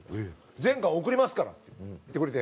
全巻贈りますから」って言ってくれて。